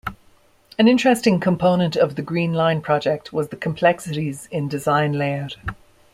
An interesting component of the Green Line project was the complexities in design layout.